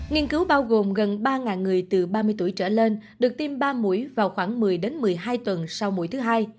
nghiên cứu bao gồm gần ba người từ ba mươi tuổi trở lên được tiêm ba mũi vào khoảng một mươi một mươi hai tuần sau mũi thứ hai